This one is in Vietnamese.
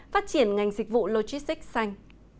phát triển ngành dịch vụ logistics xanh